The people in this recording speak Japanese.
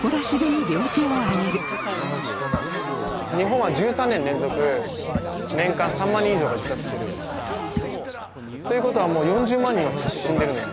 日本は１３年連続年間３万人以上が自殺してる。ということはもう４０万人は死んでるのよ